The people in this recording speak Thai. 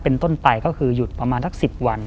เป็นต้นไปก็คือหยุดประมาณสัก๑๐วัน